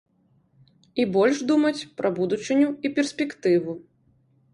І больш думаць пра будучыню і перспектыву.